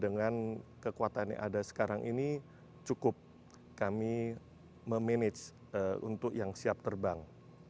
dengan kekuatan yang ada sekarang ini cukup kami memanage untuk yang siap terbang